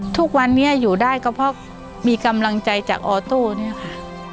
ทุกวันนี้อยู่ได้ก็เพราะมีกำลังใจจากออโต้เนี่ยค่ะ